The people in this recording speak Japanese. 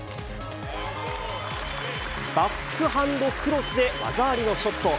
バックハンドクロスで技ありのショット。